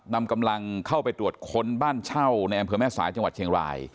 นำกำลังเข้าไปตรวจค้นบ้านเช่าในอำเภอแม่สายจังหวัดเชียงราย